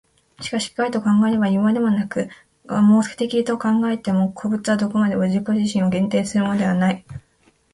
しかし機械的と考えればいうまでもなく、合目的的と考えても、個物はどこまでも自己自身を限定するものではない。